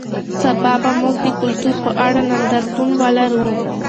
سبا به موږ د کلتور په اړه نندارتون ولرو.